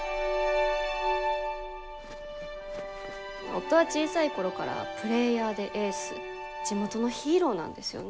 夫は小さいころからプレーヤーでエース地元のヒーローなんですよね。